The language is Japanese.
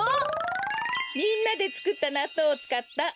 みんなでつくったなっとうをつかったおりょうりですよ。